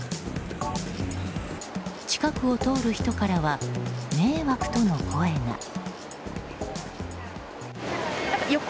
近くを通る人からは迷惑との声が。